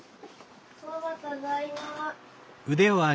ママただいま。